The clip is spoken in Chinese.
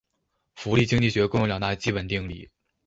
福利经济学共有两大基本定理。